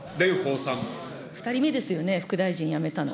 ２人目ですよね、副大臣辞めたの。